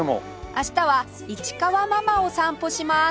明日は市川真間を散歩します